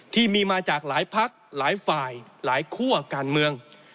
ที่มีมาจากหลายพักหลายฝ่ายหลายคั่วการเมือง